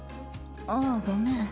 あっごめん。